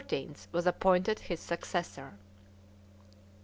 was appointed his successor.